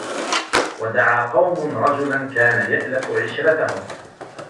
وَدَعَا قَوْمٌ رَجُلًا كَانَ يَأْلَفُ عِشْرَتَهُمْ